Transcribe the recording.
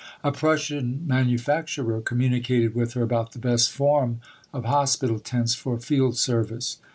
A Prussian manufacturer communicated with her about the best form of hospital tents for field service.